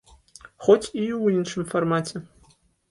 Хоць і ў іншым фармаце.